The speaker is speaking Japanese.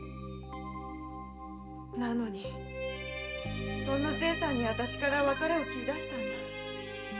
なのにそんな清さんに私から別れを切り出したんだ。